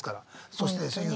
そしてですね